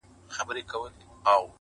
تورلباس واغوندهیاره باک یې نسته